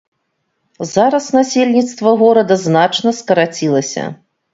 Зараз насельніцтва горада значна скарацілася.